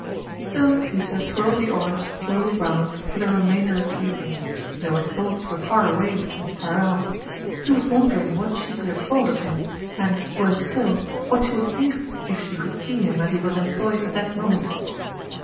92 tourmalin's ime So Peter twirled the orange slowly round for the remainder of the evening, though his thoughts were far away with Miss Tyrrell. He was wondering what she could have thought of him, and, worse still, wiiat she would think if she could see him as he was employed at that moment